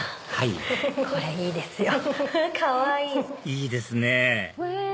いいですね